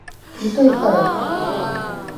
Ит ойхыры...